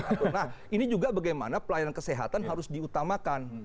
nah ini juga bagaimana pelayanan kesehatan harus diutamakan